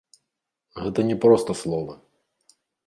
Гэта не проста словы.